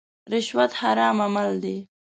رشوت حرام عمل دی.